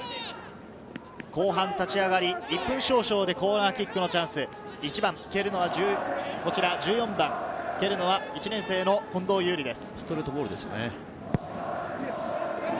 後半立ち上がり、１分少々でコーナーキックのチャンス、蹴るのは１４番、蹴るのは１年生の近藤侑璃です。